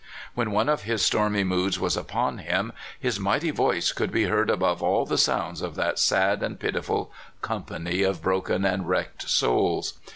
When one of his stormy moods was upon him, his mighty voice could be heard above all the sounds of that sad and pitiful company of broken and wrecked souls.